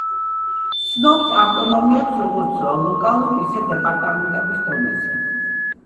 სცნობს ავტონომიებს, როგორც ლოკალურ, ისე დეპარტამენტების დონეზე.